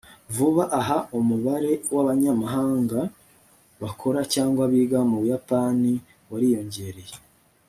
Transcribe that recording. Vuba aha umubare wabanyamahanga bakora cyangwa biga mu Buyapani wariyongereye